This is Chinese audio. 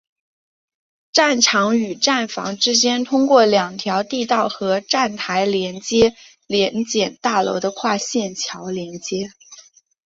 站场与站房之间通过两条地道和站台联接联检大楼的跨线桥连接。